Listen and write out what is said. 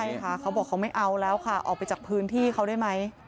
ใช่ค่ะเขาบอกเขาไม่เอาแล้วค่ะออกไปจากพื้นที่เขาได้ไหม